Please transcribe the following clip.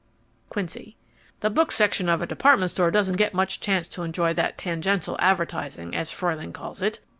QUINCY The book section of a department store doesn't get much chance to enjoy that tangential advertising, as Fruehling calls it.